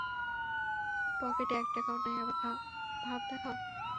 পকেটে এক টাকাও নাই, আবার ভাব দেখাও।